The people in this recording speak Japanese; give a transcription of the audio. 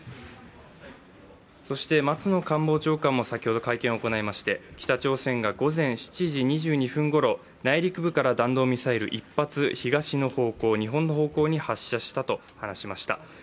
松野官房長官も先ほど会見を行いまして、北朝鮮が午前７時２２分ごろ内陸部から弾道ミサイル１発東の方向、日本の方向に発射したと話しました。